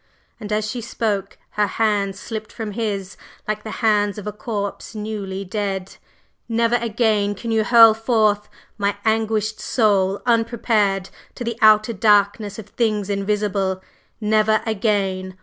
And as she spoke her hands slipped from his like the hands of a corpse newly dead. "Never again can you hurl forth my anguished soul unprepared to the outer darkness of things invisible; never again!